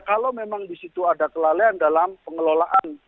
kalau memang di situ ada kelalaian dalam pengelolaan